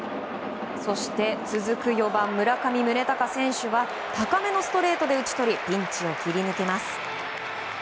続く４番、村上宗隆選手は高めのストレートで打ち取りピンチを切り抜けます。